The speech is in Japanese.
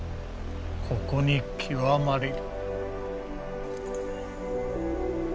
ここに極まれり。